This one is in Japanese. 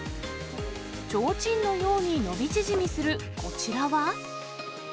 ちょうちんのように伸び縮みするこちらは。